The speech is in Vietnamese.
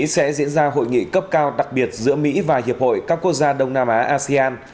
sẽ diễn ra hội nghị cấp cao đặc biệt giữa mỹ và hiệp hội các quốc gia đông nam á asean